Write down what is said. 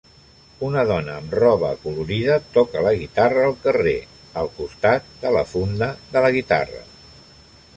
Una dona amb roba acolorida toca la guitarra al carrer, al costat de la funda de la guitarra.